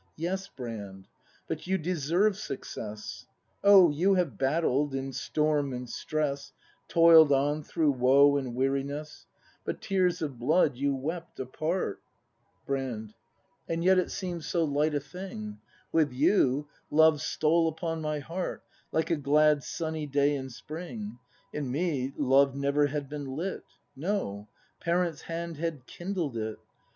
Yes, Brand; but you deserve success. Oh, you have battled, in storm and stress; — Toil'd on through woe and weariness; — But tears of blood you wept, apart ACT III] BRAND 107 Brand. And yet it seem'd so light a thing; With you, love stole upon my heart Like a glad sunny day in Spring, In me Love never had been lit; No parents' hand had kindled it.